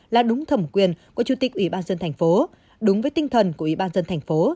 là đúng thẩm quyền của chủ tịch ủy ban dân thành phố đúng với tinh thần của ủy ban dân thành phố